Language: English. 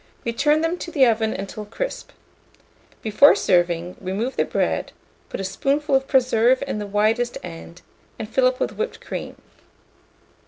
Return them to the oven until crisp. Before serving, remove the bread, put a spoonful of preserve in the widest end, and fill up with whipped cream.